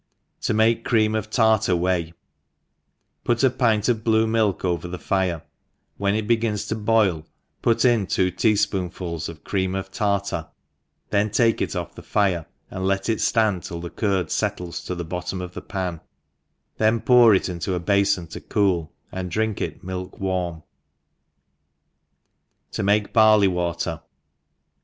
Tb make Cr£am of Tartar Whey. PUT a pint, of blue milk over the fire, when it begins to boil, put in two tea fpoonfuls of cream of tartar, then take it off the £re, and let it ftand till the curd fettles to the bottom of the pto, then pour it into a bafon to cool, and drink it milk warm* 7(7 ;«a4f Barley Water.